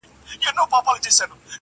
يو څه خو وايه کنه يار خبري ډيري ښې دي